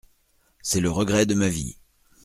C’est le regret de ma vie…